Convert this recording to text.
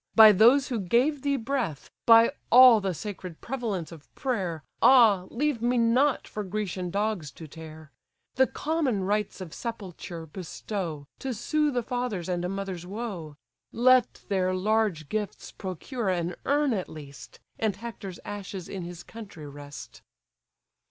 by those who gave thee breath! By all the sacred prevalence of prayer; Ah, leave me not for Grecian dogs to tear! The common rites of sepulture bestow, To soothe a father's and a mother's woe: Let their large gifts procure an urn at least, And Hector's ashes in his country rest."